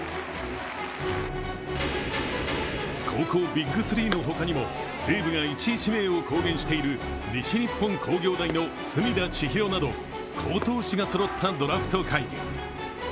高校ＢＩＧ３の他にも西武が１位指名を公言している、西日本工業大の隅田知一郎など好投手がそろったドラフト会議。